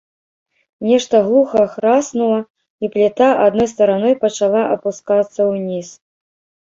Нешта глуха храснула, і пліта адной стараной пачала апускацца ўніз.